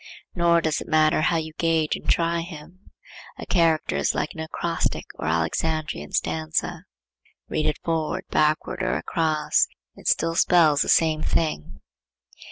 Nor does it matter how you gauge and try him. A character is like an acrostic or Alexandrian stanza;—read it forward, backward, or across, it still spells the same thing.